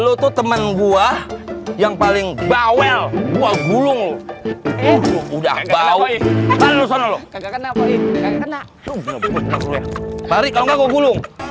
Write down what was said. lu tuh temen gua yang paling bawel gua gulung lu udah bau lu sana lu kagak kena koi kagak kena koi